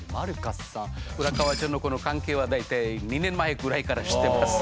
浦河町のこの関係は大体２年前ぐらいから知ってます。